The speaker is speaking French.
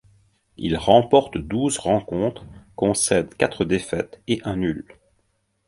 Il remporte douze rencontres, concède quatre défaite et un nul.